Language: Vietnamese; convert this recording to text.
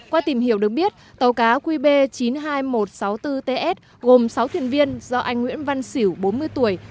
qua tìm hiểu được biết tàu cá qb chín mươi hai nghìn một trăm sáu mươi bốn ts gồm sáu thuyền viên do anh nguyễn văn xỉu bốn mươi tuổi